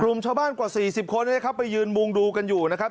กลุ่มชาวบ้านกว่า๔๐คนไปยืนมุงดูกันอยู่นะครับ